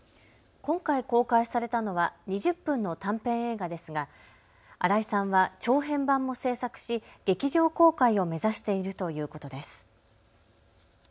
今回、公開されたのは２０分の短編映画ですが新井さんは長編版も制作し劇場公開を目指しているということです。